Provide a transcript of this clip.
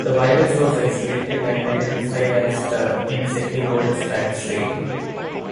The virus was isolated and identified as the insectivorous bat strain.